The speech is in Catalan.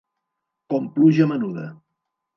Com pluja menuda.